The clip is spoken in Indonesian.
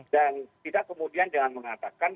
dan tidak kemudian dengan mengatakan